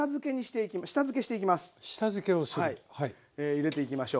入れていきましょう。